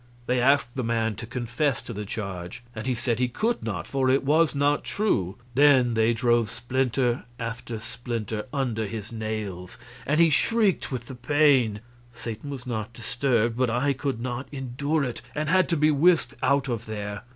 They asked the man to confess to the charge, and he said he could not, for it was not true. Then they drove splinter after splinter under his nails, and he shrieked with the pain. Satan was not disturbed, but I could not endure it, and had to be whisked out of there.